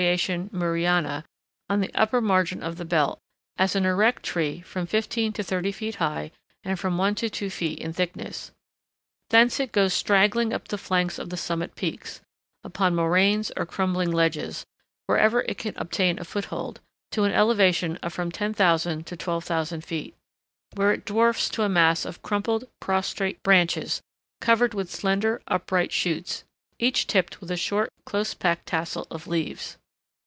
Murrayana, on the upper margin of the belt, as an erect tree from fifteen to thirty feet high and from one to two feet in thickness; thence it goes straggling up the flanks of the summit peaks, upon moraines or crumbling ledges, wherever it can obtain a foothold, to an elevation of from 10,000 to 12,000 feet, where it dwarfs to a mass of crumpled, prostrate branches, covered with slender, upright shoots, each tipped with a short, close packed tassel of leaves.